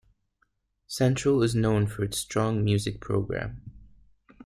Central is known for its strong music program.